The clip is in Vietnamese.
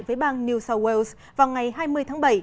với bang new south wales vào ngày hai mươi tháng bảy